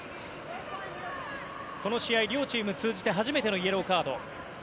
この試合、両チーム通じて初めてのイエローカード。